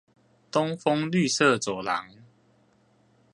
東豐綠色走廊